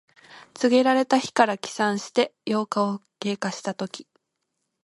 告げられた日から起算して八日を経過したとき。